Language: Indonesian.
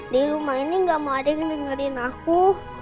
di rumah ini gak mau ada yang dengerin aku